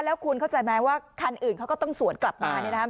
แล้วคุณเข้าใจไหมว่าคันอื่นเขาก็ต้องสวนกลับมา